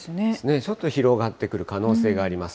ちょっと広がってくる可能性があります。